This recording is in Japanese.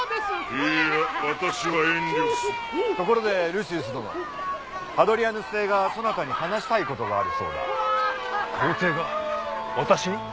いいや私は遠慮するところでルシウス殿ハドリアヌス帝がそなたに話したいことがあるそうだ皇帝が私に？